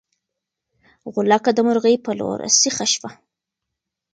غولکه د مرغۍ په لور سیخه شوه.